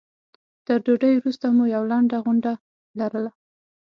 تر ډوډۍ وروسته مو یوه لنډه غونډه لرله.